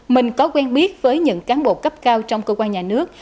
mình có quen biết với những cán bộ cấp cao trong cơ quan nhà nước